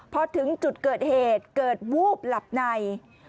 พอถึงจุดเกิดเหตุเกิดวูบหลับใน